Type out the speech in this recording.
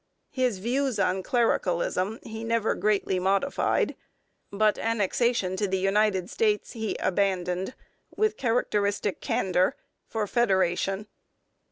His views on clericalism he never greatly modified, but annexation to the United States he abandoned, with characteristic candour, for federation.